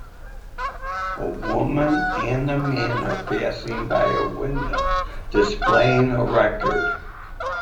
A woman and a man are passing by a window displaying a record.